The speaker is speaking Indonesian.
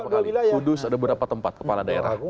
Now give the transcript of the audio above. kudus ada beberapa tempat kepala daerah